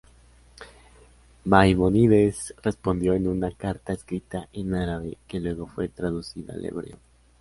Maimónides respondió en una carta escrita en árabe que luego fue traducida al hebreo.